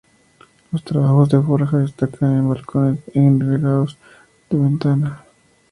Los trabajos de forja destacan en balcones y enrejados de ventana.